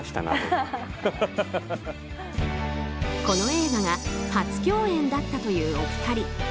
この映画が初共演だったというお二人。